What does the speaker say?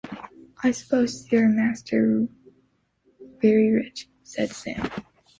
‘I suppose your master’s very rich?’ said Sam.